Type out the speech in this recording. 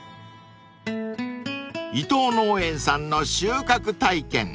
［伊藤農園さんの収穫体験］